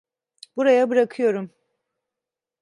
Buraya bırakıyorum.